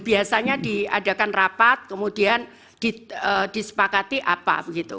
biasanya diadakan rapat kemudian disepakati apa begitu